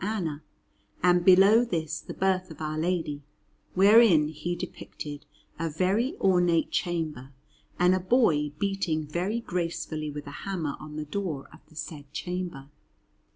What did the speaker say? Anna, and below this the Birth of Our Lady, wherein he depicted a very ornate chamber, and a boy beating very gracefully with a hammer on the door of the said chamber.